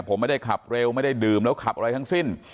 ผมไม่ได้ขับเร็วไม่ได้ดื่มแล้วขับอะไรทั้งสิ้น